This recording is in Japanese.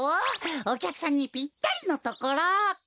おきゃくさんにぴったりのところ。